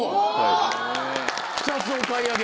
２つお買い上げ。